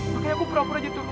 makanya aku berangkuran gitu